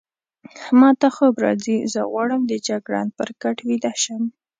ما ته خوب راځي، زه غواړم د جګړن پر کټ ویده شم.